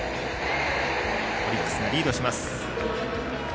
オリックスがリードします。